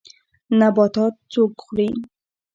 نباتات څوک خوري